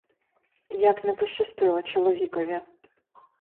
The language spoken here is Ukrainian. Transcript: Як не пощастило чоловікові.